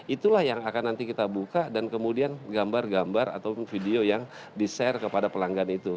itulah yang akan nanti kita buka dan kemudian gambar gambar atau video yang di share kepada pelanggan itu